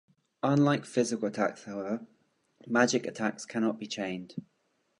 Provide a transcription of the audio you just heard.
Unlike physical attacks however, magic attacks cannot be chained.